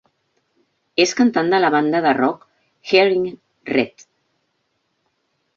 És cantant de la banda de rock Hearing Red.